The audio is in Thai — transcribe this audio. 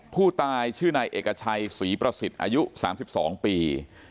ผู้ตายชื่อนายเอกชัยศรีประสิทธิ์อายุ๓๒ปี